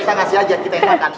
kita ngasih aja kita yang makan